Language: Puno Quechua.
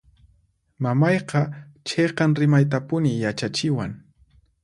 Mamayqa chiqan rimaytapuni yachachiwan.